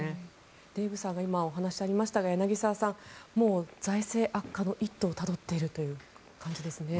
デーブさんから今お話がありましたが柳澤さん、財政悪化の一途をたどっているという感じですね。